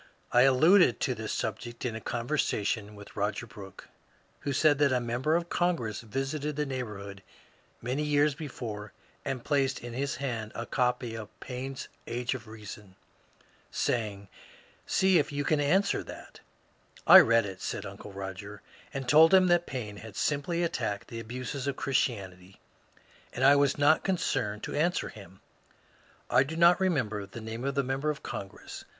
I alluded to this subject in a conversation with Roger Brooke, who said that a member of Congress visited the neighbourhood many years before and placed in his hand a copy of Paine's Age of Reason," saying, " See if you can answer that I "^^ I read it," said uncle Koger, *^ and told him that Paine had simply attacked the abuses of Christianity and I was not concerned to answer him." I do not remem 124 MONCURE DANIEL CONWAY ber the name of the member of Congress.